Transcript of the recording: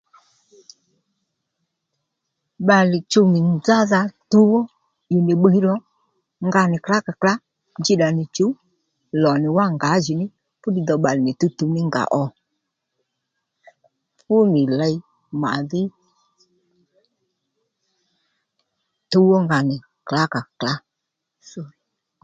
Bbalè chuw nì nzádha tuw ó ì nì bbiy ro nga nì klǎ kà klǎ djí-ddà nì chǔw lò nì wá ngǎjìní fúddiy dhò bbalè nì tǔwtǔw ní nga ó fúnì ley màdhí tuw ónga nì klǎ kà klǎ